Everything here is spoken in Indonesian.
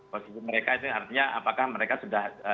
posisi mereka itu artinya apakah mereka sudah